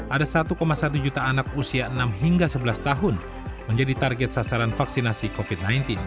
ada satu satu juta anak usia enam hingga sebelas tahun menjadi target sasaran vaksinasi covid sembilan belas